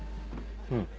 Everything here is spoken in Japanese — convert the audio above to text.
うん。